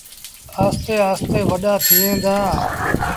آهستي آهستي وڏآ ٿئيٚݩ دآ۔